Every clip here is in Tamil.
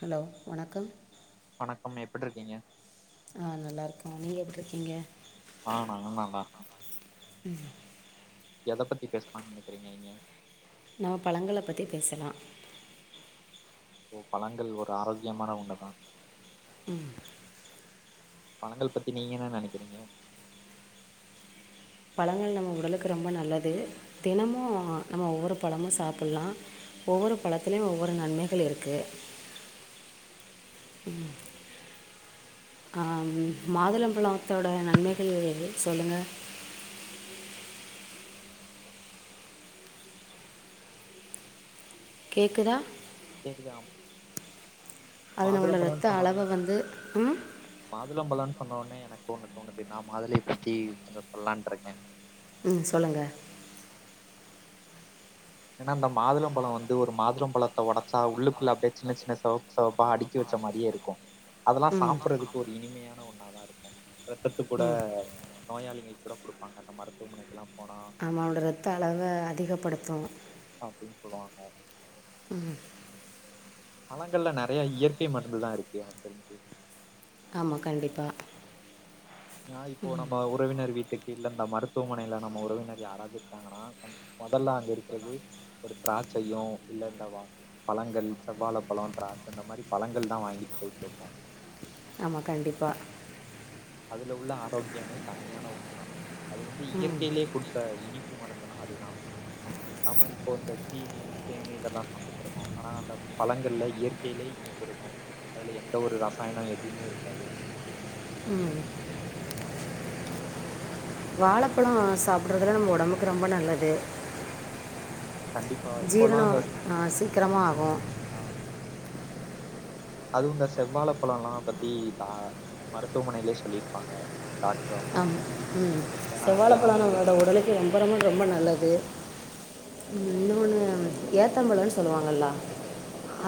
ஹலோ வணக்கம் வணக்கம் எப்டி இருக்கீங்க ஆஹ் நல்லா இருக்கே நீங்க எப்டி இருக்கீங்க ஆ நாங்களு நல்லா இருக்கோ உம் எதை பத்தி பேசுலன்னு நெனைக்கிறீங்க நீங்க நம்ம பழங்கள பத்தி பேசலா ஓ பழங்கள் ஒரு ஆரோக்கியமான உண்ணதா உம் பழங்கள் பத்தி நீங்க என்ன நனைக்கிறீங்க பழங்கள் நம்ம உடலுக்கு ரொம்ப நல்லது. தினமும் நம்ம ஒவ்வொரு பழமும் சாப்ட்லா ஒவ்வொரு பழத்திலு ஒவ்வொரு நன்மைகள் இருக்கு. ஆஹ் மாதுளம்பழத்தோட நன்மைகள் சொல்லுங்க கேக்குதா கேக்குதா அது நம்மளோட ரத்த அளவ வந்து உம் சொன்னோனே எனக்கு ஒண்ணு தோணுது. நா மாதுளை பத்தி கொஞ்சோ சொல்லா இருக்கே உம் சொல்லுங்க ஏன்னா அந்த மாதுள பழம் வந்து ஒரு மாதுள பழத்த ஒடைச்சா உள்ளுக்குள்ள அப்டியே சின்ன சின்ன செவப்பு செவப்பா அடுக்கி வச்ச மாரியே இருக்கு அதெல்லா சாப்டுறதுக்கு ஒரு இனிமையான ஒன் நல்லா இருக்கு ரத் தத்த கூட நோயாளிங்கள் கூட குடுப்பாங்க அந்த மருத்துவமனைக்குல்லா ஆம அவளோட ரத்த அளவ அதிகப்படுத்து அப்டின் சொல்லுவாங்க உம் பழங்கள்ல நறைய இயற்கை மருந்துதா இருக்கு, எனக் தெரிஞ்சி ஆமா கண்டிப்பா ஆஹ இப்போ நம்ம உறவினர் வீட்டுக் இல்ல இந்த மருத்துவமனையில நம்ம உறவினர் யாராவதுட்டாங்கன்னா முதல்ல அங்க இருக்கிறதுஒரு திராட்சையும் இல்ல இந்த பழங்கள் செவ்வாழ பழம் திராட்சை இந்த மாதிரி பழங்கள் தான் வாங்கிட்டு போய் கொடுப்போம் ஆமா கண்டிப்பா அதுல உள்ள ஆரோக்கியமே தனியான ஒண்ணுதான் அது வந்து இயற்கையிலயே கொடுத்தா இனி மருந்தனா அதுதான் நாம இப்போ இந்த தீனி தேன இதெல்லாம் சாப்பிட்டு இருக்கோம் ஆனா அந்த பழங்கள்ல இயற்கையிலயே இனிப்பு இருக்கும் அதுல எந்த ஒரு ரசாயனம் எதுவுமே இருக்காது ம் வாழைப்பழோ சாப்பிடுறதுல நம்ம ஒடம்புக்கு ரொம்ப நல்லது ஜீரணோ ஆ சீக்கிரமா ஆகும் அதுவும் இந்த செவ்வாழ பழம் எல்லாம் பத்தி மருத்துவமனையிலயே சொல்லியிருப்பாங்க ஆ உம் செவ்வாழை பழானவங்களோட உடலுக்கு ரொம்பறமே ரொம்ப நல்லது இன்னொண்ணு ஏத்தம்பழம்ன்னு சொல்லுவாங்கல்லா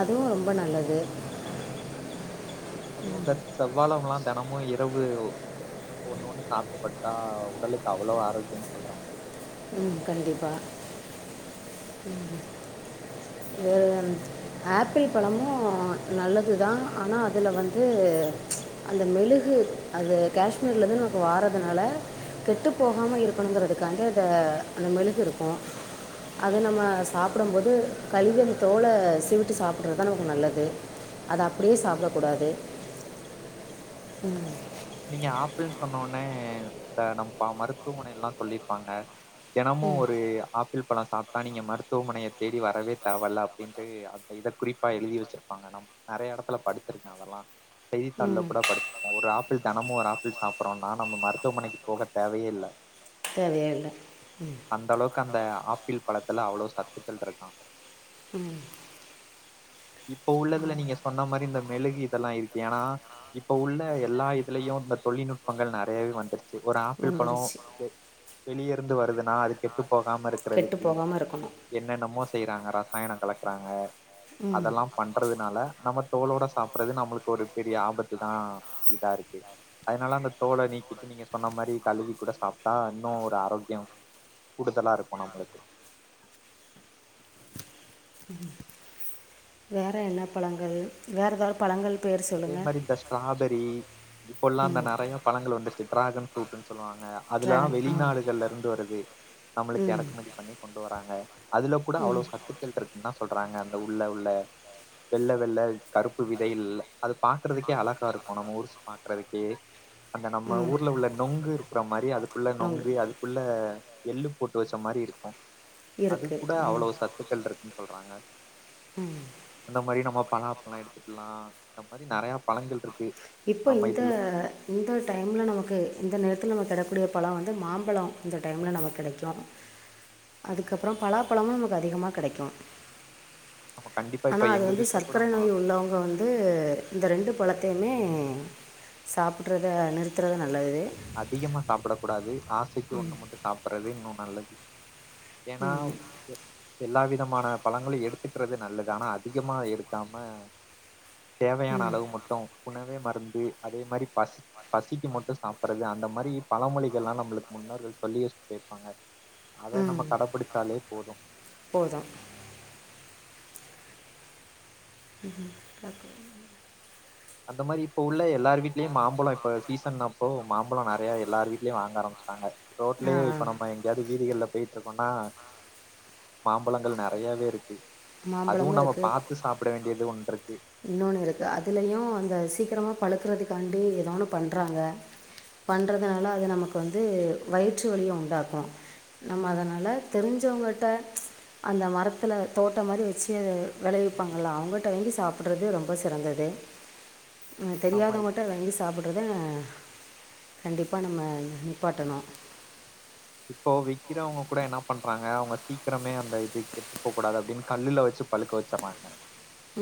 அதுவோ ரொம்ப நல்லது அதுவும் இந்த செவ்வாலலா தினமும் இரவு ஒண்ணு ஒண்ணு சாப்ட்டு படுத்தா உடலுக்கு அவ்வளவு ஆரோக்கியம்னு சொல்றாங்க ம் கண்டிப்பா [unintelligible] வேற ஆப்பிள் பழமும் நல்லதுதா ஆனா அதுல வந்து அந்த மெழுகு அது காஷ்மீர்ல இருந்து நமக்கு வர்றதுனால கெட்டு போகாம இருக்கணுங்கிறதுக்காக இந்த அந்த மெழுகு இருக்கும் அது நம்ம சாப்பிடும்போது கழுவி அந்த தோலை சீவிட்டு சாப்பிட்றது தான் நமக்கு நல்லது அதை அப்படியே சாப்பிடக்கூடாது நீங்க ஆப்பிள்னு சொன இந்த நம்ம மருத்துவமனைல்லாம் சொல்லியிருப்பாங்க என்னமோ ஒரு ஆப்பிள் பழம் சாப்பிட்டா நீங்க மருத்துவமனையை தேடி வரவே தேவல அப்படின்ட்டு இதை குறிப்பாக எழுதி வச்சருப்பாங்க நம் நிறைய இடத்துல படிச்சிருருேங்க அதெல்லாம் செய்தித்தாளில் கூட படிச்சிருப்போம் ஒரு ஆ தெனமும் ஒரு ஆப்பிள் சாப்பிடறோம்னா நம்ம மருத்துவமனைக்கு போக தேவையே இல்லை செரியேல்ல அந்த அளவுக்கு அந்த ஆப்பிள் பழத்துல அவ்வளவு சத்துக்கள் இருக்கா இப்ப உள்ளதுல நீங்க சொன்ன மாரி இந்த மெழுகு இதெல்லாம் இருக்கு ஏன்னா இப்ப உள்ள எல்லா இத் இதுலயும் இந்த தொழில்நுட்பங்கள் நறையவே வந்துருச்சு ஒரு ஆப்பிள் பழோ வெளியே இருந்து வருதுனா அது கெட்டு போகாம இருக்குறதுக்கு என்னென்னமோ செய்றாங்க ரசாயனோ கலக்குறாங்க அதெல்லா பண்றது அதனால நம்ம தோலோட சாப்பிடுறது நம்மளுக்கு ஒரு பெரிய ஆபத்து தா இதா இருக்கு அதனால அந்த தோலை நீக்கிட்டு நீங்க சொன்ன மாதிரி கழுவி கூட சாப்பிட்டா இன்னும் ஒரு ஆரோக்கியம் கூடுதலா இருக்கோ நம்மளுக்கு என்ன பழங்கள் வேறு ஏதாவது பழங்கள் அதே மாரி இந்த ஸ்டாபெ பி இப்போலா அந்த நறைய பழங்கள் வந்துருச்சு டிராகன் ஃப்ரூட்டுனு சொல்லுவாங்க அதுலல்லா வெளிநாடுல இருந்து வருது நம்மளுக்கு இறக்குமதி பண்ணி கொண்டு வராங்க அதுல கூட அவ்ளோ சத்துக்கள் இருக்குனு தா சொல்றாங்க அந்த உள்ள உள்ள வெள்ள வெள்ள கருப்பு விதைகள் அது பாக்குறதுக்கே அழகா இருக்கோ நம்ம ஊர்ச்சு பாக்குறதுக்கே அந்த நம்ம ஊர்ல உள்ள நொங்கு இருக்கிற மாதிரி அதுக்குள்ள நொங்கு அதுக்குள்ள எள்ளு போட்டு வெச்ச மாரி இருக்கோ அது கூட அவ்ளோ சத்துக்கள் இருக்கு சொல்றாங்க உம் அந்த மாரி நம்மோ பலாப்பழ எடுத்துக்கலா அந்த மாரி நெறயா பழங்கள் இருக்கு இப்போ இந்த இந்த டைம்ல நமக்கு இந்த நேரத்தில நம கிட க்க கூடிய பழம் வந்து மாம்பழம் இந்த டைம்ல நமக்கு கிடைக்கு அதுக்கப்புறோ பலாப்பழமும் நமக்கு அதிகமா கெடைக்கு ஆனா அது வந்து சர்க்கர நோய் உள்ளவங்க வந்து இந்த ரெண்டு பழத்தையுமே சாப்பிடறத நிறுத்துறத நல்லது அதிகமா சாப்பிட கூடாது ஆசைக்கு ஒண்ணு மட்டு சாப்பிடருது இன்னொ நல்லது ஏனா எல்லா விதமான பழங்களையு எடுத்து இருக்கிறது நல்லது ஆனா அதிகமா எடுக்காம தேவயான அளவு மட்டு உணவே மருந்து அதே மாரி பசி பசிக்கு மட்டு சாப் றது அந்த மாரி பழமொழிகல்லா நம்மளுக்கு முன்னோர்கள் சொல்லி வெச்சு போயிருப்பாங்க அத நம்ம கடப்பிடித்தாலே போது போதா [unintelligible] அந்த மாரி இப்ப உள்ள எல்லாரு வீட்லயு மாம்பழொ இப்ப சீசன்னப்போ மாம்பழ நெறயா எல்லார் வீட்லயு வாங்க ஆரம்பிச்சுட்டாங்க ரோட்லயே இப்ப நம்ம எங்கேயாவது வீதிகள்ல போயிட்டு இருக்கோன்னா மாம்பழங்கள் நெறயாவே இருக்கு மாம்பழமும் இருக்கு இன்னொன்னு இருக்கு அதுலயு வந்து அத சீக்கிரமாக பழுக்கறதுக்காண்டி எதோ ஒன்னு பண்றாங்க பண்றதுனால அது நமக்கு வந்து வயிற்று வலிய உண்டாக்கு நம்ம அதனால தெரிஞ்சவங்ட்ட ப்ச் அந்த மரத்தில தோட்டோ மாரி வெச்சு அத விளையவிப்பாங்கள்ள அவங்கட்ட வாங்கி சாப்பிடறது ரொம்ப சிறந்தது ம் தெரியாதவங்கிட்ட வாங்கி சாப் எத கண்டிப்பா நம்ம நிப்பாட்டனு இப்போ விக்கிறவங்க கூட என்ன பண்றாங்க அவுங்க சீக்கிரமே அந்த இது கெட்டுப் போக் கூடாது அப்டின்னு கல்லுல வெச்சு பழுக்க வெச்சிர்றாங்க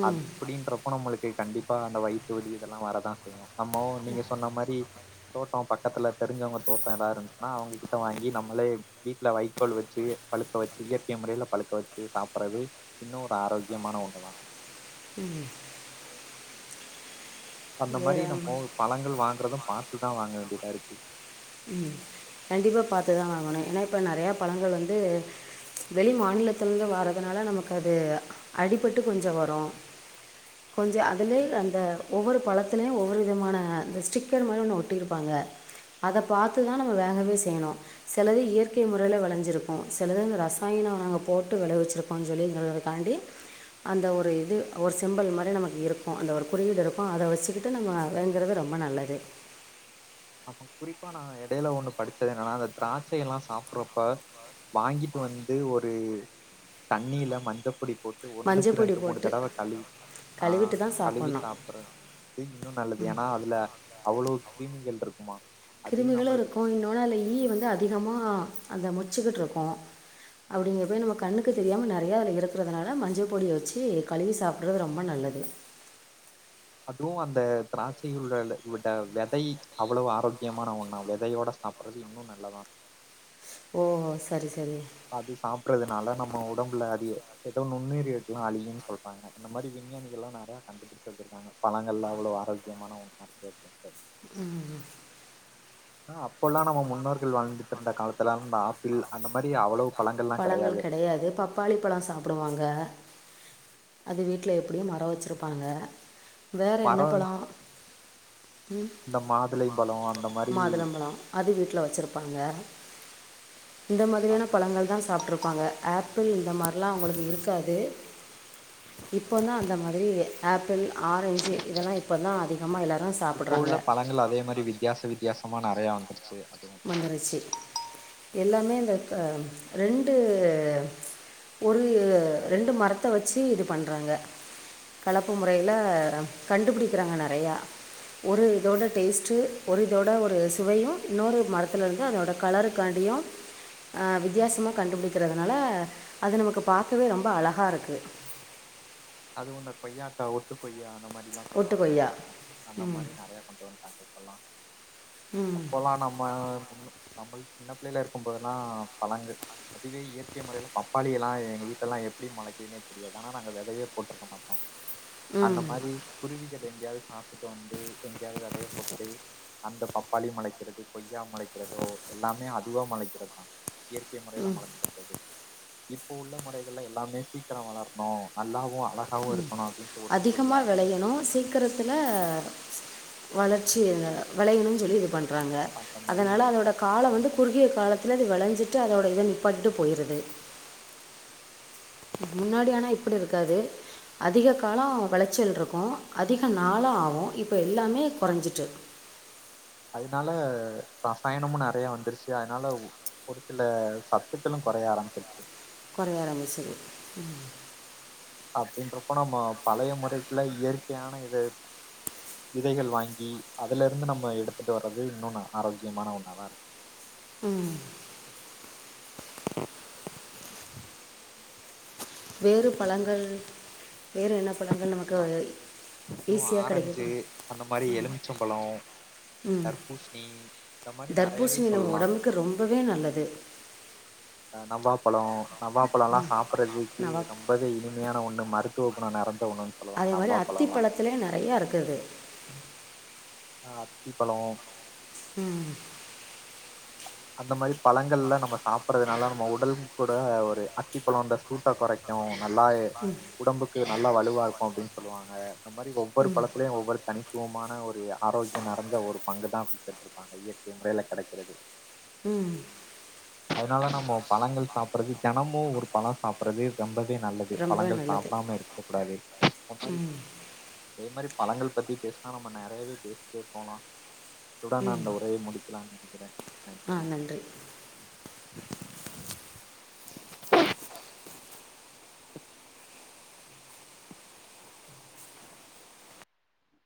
அப்டின்றப்போ நம்மளுக் கண்டிப்பா அந்த வயித்து வலி இதெல்லா வரதா செய்யு நம்மோ நீங்க சொன்ன மாரி தோட்டோ பக்கத்துல தெரிஞ்சவங்க தோட்டோ ஏதாது இருந்துச்சுனா அவங்ககிட்ட வாங்கி நம்மளே வீட்ல வைக்கோல் வெச்சு பழுக்க வெச்சு இயற்கிய முறையில பழுக்க வெச்சு சாப்பிடறது இன்னு ஒரு ஆரோக்கியமான ஒண்ணுதா அந்த மாரி நம்மோ பழங்கள் வாங்கறதும் பாத்துதா வாங்க வேண்டியதா இருக்கு கண்டிப்பா பாத்துதா வாங்கணு ஏனா இப்ப நெறயா பழங்கள் வந்து வெளி மாநிலத்தில இருந்து வர்றதுனால நமக்கு அது அடிபட்டு கொஞ்சோ வரு கொஞ்சோ அதுலயே அந்த ஒவ்வொரு பழத்திலயு ஒவ்வொரு விதமான அந்த ஸ்டிக்கர் மாரி ஒண்ணு ஒட்டியிருப்பாங்க அத பாத்துதா நம் வேகவே செய்யனு சிலது இயற்கை முறையில வெளஞ்சிருக்கு சிலது ரசாயன நா போட்டு வெளவிச்சிருப்பான் சொல்லிங்கரதகாண்டி அந்த ஒரு இது ஒரு சிம்பல் மாரி நமக்கு இருக்கு அந்த ஒரு குறியீடு இருக்கு அத வெச்சுக்கிட்டு நம்ம வாங்குறது ரொம்ப நல்லது குறிப்பா நா இடயில ஒண்ணு படிச்சதுனால அந்த திராட்சை எல்லா சாப்பறப்ப வாங்கிட்டு வந்து ஒரு தண்ணியில மஞ்சப்பொடி போட்டு ஒன்னுக்கு ரெண்டு மூணு தடவ கழுவி ஆ கழுவி சாப்பிடறது இன்னு நல்லது ஏனா அதில அவ்ளோ கிருமிகள் இருக்கு ஆமா கிருமிகளு இருக்கு இன்னொன்னு ஈ வந்து அதிகமா அந்த மொச்சிக்கிட்டு இருக்கு அப்டிங்கிறப்ப நம்ம கண்ணுக்கு தெரியாம நெறயா அதில இருக்கிறதுனால மஞ்ச பொடிய வெச்சு கழுவி சாப்பிடறது ரொம்ப நல்லது அதுவு அந்த திராட்சை உள்ள விட விதை அவ்வளவு ஆரோக்கியமான ஒண்ணா விதையோட சாப்பிடறது இன்னு நல்லதா ஓ சரி சரி அது சாப்ட்றதுனால நம்ம உடம்புல அதி எதோ நுண்ணுயிரிக்களுல்லா அழியுன்னு சொல்றாங்க அந்த மாரி விஞ்ஞானிகல்லா நெறய கண்டுபிடிச்சி வச்சிருக்காங்க பழங்கெல்லா அவ்ளோ ஆரோக்கியமான ஒன்னாருக்கு அப்டின்ட்டு ஆ அப்பொல்லா நம்ம முன்னோர்கள் வாழ்ந்துட்டிருந்த காலத்துல அந்த ஆப்பிள் அந்த மாரி அவ்ளோ பழங்கள் கெடயாது பப்பாளி பழோ சாப்புடுவாங்க அது வீட்ல எப்டியு மரொ வச்சிருப்பாங்க வேற என்ன பழோ ம் மாதுளம்பழ அது வீட்ல வச்சுருப்பாங்க இந்த மாதிரியான பழங்கள் தா சா சாப்ட்ருப்பாங்க ஆப்பிள் இந்த மார்லா அவங்களுக்கு இருக்காது இப்போதா அந்த மாரி ஆப்பிள் ஆரெஞ்சு இதெல்லா இப்போ தா அதிகமா எல்லாத் இப்ப உள்ள பழங்கள் அதே மாரி வித்யாச வித்யாசம் மா நெறயா வந்துருச்சி வந்துருச்சி எல்லா மே இந்த அ ரெண்டு ஒரு ரெண்டு மரத்த வச்சு இது பண்றாங்க கலப்பு முறைல கண்டுபுடிக்கிறாங்க நெறயா ஒரு இதோட டேஸ்ட்டு ஒரு இதோட ஒரு சுவையு இன்னோரு மரத்தில இருந்து அதோட கலருக்காண்டியு அ வித்யாசமா கண்டுபுடிக்கிறதுனால அது நமக்கு பாக்கவே ரொம்ப அழகாருக்கு அதுவு இந்த கொய்யாக்கா ஒட்டு கொய்யா அந்த மாரி ப்டில்லா சொல்லுவாங்க அந்த மாரி நெறய கொண்டு வந்துட்டாங்க இப்பல்லா அப்பொல்லா நம்ம முன்னோ நம்பள் சின்ன பிள்ளைல இருக்கும்போதெல்லா பழங்க அதுவே இயற்கை மொறைல பப்பாளியெல்லா எங்க வீட்டெல்லா எப்டி மொளைக்குன்னே தெரியாது ஆனா நாங்க வெதயே போட்ருக்க மாட்டோ அந்த மாரி குருவிக எங்கையாவது சாப்டுட்டு வந்து எங்கையாவது வெதய போட்டு அந்த பப்பாளி மொளைக்கிறது கொய்யா மொளைக்கிறதோ எல்லாமே அதுவா மொளைக்கிறதா இயற் க்கை மொறைல மொளச்சிடு அந்த இது இப்போ உள்ள மொறைகள்ள எல்லாமே சீக்கர வளர்ணு நல்லாவு அழகாவு இருக்குணு அதிகமா வெளயணு சீக்கிரத்துல வளர்ச்சி அ வளயணு சொல்லி இது பண் ராங்க அதனால அதோட கால வந்து குறுகிய காலத் தல அது வளஞ்சிட்டு அதோட இத நிப்பாட்டிட்டு போய்ருது முன்னாடி ஆனா இப்டி இருக்காது அதிக காலோ வெளைச்சல் இருக்கு அதிக நாளு ஆவு இப்ப எல்லாமே கொறஞ்சுட்டு அதனால ரசாயனமு நெறய வந்துருச்சு அதனால ஒரு சில சத்துக்களு கொறைய ஆரம்பிச்சிருச்சு கொறய ஆரம்பிச்சது ம் அப்டின்றப்போ நம்ம பழய முறைக்கல இயற்கயான இது விதைகள் வாங்கி அதலருந்து நம்ம எடுத்துட்டு வர்றது இன்னு ஆரோக்கியமான ஒன்னாதா இருக் ம் வேறு பழங்கள் வேறு என்ன பழங்கள் நமக்கு ஈஸியா கெடைக்க ம் தர்பூஸ்ணி நம்ம உடம்புக்கு ரொம்பவே நல்லது நவ்வாப்பழோ நவ்வாப்பழோல்லா சாப்பிட்றதுக்கே ரொம்பவே இனிமயான ஒண்ணு மரு [unintelligible] அதே மாரி அத்திப்பழத்திலே நெறையா இருக்குது ஆஹ் அத்தி பழம் உம் அந்த மாரி பழங்கள்ல நம்ம சாப்பிடுறதுனால நம்ம உடலு கூட ஒரு அத்திப்பழம் இந்த சூட்ட குறைக்கும் நல்லாவே உடம்புக்கு நா நல்லா வலுவா இருக்கும் அப்டின்னு சொல்லுவாங்க இந்த மாரி ஒவ்வொரு பழத்திலயும் ஒவ்வொரு தனித்துவமான ஒரு ஆரோக்கியம் நரஞ்ச ஒரு பங்கு தான் கொடுத்துட்டு இருப்பாங்க இயற்கை முறையில கடைக்கிறது உம் அதனால நம்ம பழங்கள் சாப்பிடுறது தினமும் ஒரு பழம் சாப்படுறது ரொம்ப வே நல்லது பழங்கள் சாப்பிடாம இருக்கக்க கூடாது இந்த மாரி அதே மாரி பழங்கள் பத்தி பேசனா நம்ம நெறையவே பேசிட்டே போலாம் இத்துடன் அந்த உரைய முடிக்கலாங்க [inaudible] ஆ நன்றி